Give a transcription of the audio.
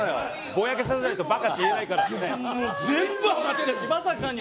ぼやかさないとばかって言えないから。